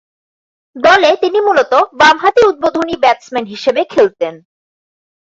দলে তিনি মূলতঃ বামহাতি উদ্বোধনী ব্যাটসম্যান হিসেবে খেলতেন।